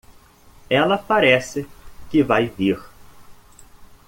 Ela parece que vai vir.